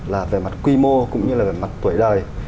là về mặt quy mô cũng như là về mặt tuổi đời